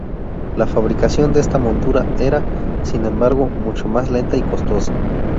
La fabricación de esta montura era, sin embargo, mucho más lenta y costosa.